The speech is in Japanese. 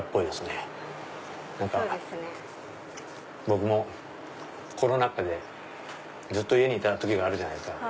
僕もコロナ禍でずっと家にいた時があるじゃないですか。